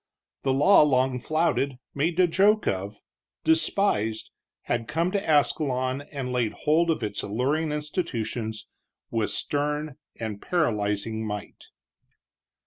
The law long flouted, made a joke of, despised, had come to Ascalon and laid hold of its alluring institutions with stern and paralyzing might.